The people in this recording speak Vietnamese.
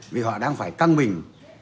vì họ đang phải căng mình